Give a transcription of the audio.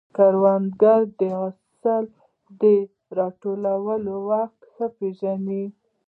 کروندګر د حاصل د راټولولو وخت ښه پېژني